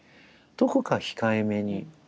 どこか控えめに。